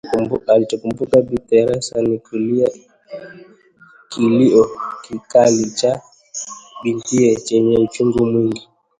Alichokumbuka Bi Teresa ni kilio kikali cha bintiye chenye uchungu mwingi